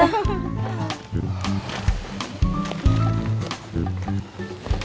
tante yang ngajakin mas randy datang kesini